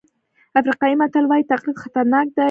افریقایي متل وایي تقلید خطرناک دی.